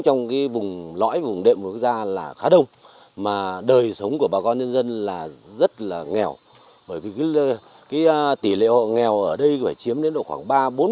tỷ lệ nghèo ở đây phải chiếm đến độ khoảng ba mươi bốn mươi